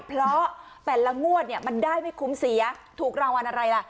เพราะแต่ละงวดเนี่ยมันได้ไม่คุ้มเสียถูกรางวัลอะไรล่ะ